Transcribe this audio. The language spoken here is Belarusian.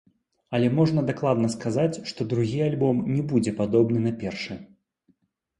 Але можна дакладна сказаць, што другі альбом не будзе падобны на першы.